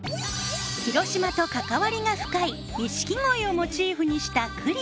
広島と関わりが深い錦鯉をモチーフにしたクリップ。